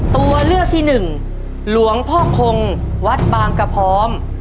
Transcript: ตัวเลือกที่หนึ่งหลวงพ่อคงวัดบางกระพร้อม